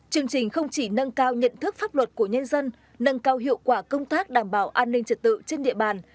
chương trình không chỉ nâng cao nhận thức pháp luật của nhân dân nâng cao hiệu quả công tác đảm bảo an ninh trật tự trên địa bàn